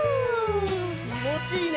きもちいいね。